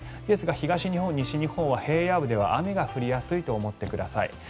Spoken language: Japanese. ですが東日本、西日本は平野部では雨が降りやすいと思ってください。